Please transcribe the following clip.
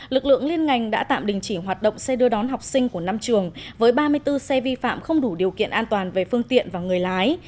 lực lượng liên ngành đã tạm đình chỉ hoạt động xe đưa đón học sinh của năm trường với ba mươi bốn xe vi phạm không đủ điều kiện an toàn về phương tiện và người lái